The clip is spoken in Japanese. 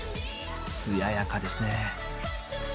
艶やかですね。